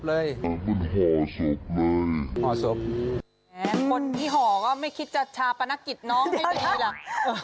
แห่งคนที่หอก็ไม่คิดจะชาปนกิตน้องนะ